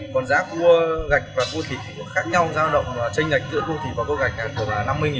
còn giá cua gạch và cua thịt cũng khác nhau giao động trênh nhạch giữa cua thịt và cua gạch là khoảng năm mươi đồng